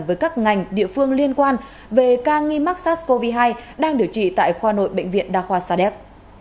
với các ngành địa phương liên quan về ca nghi mắc sars cov hai đang điều trị tại khoa nội bệnh viện đa khoa sadek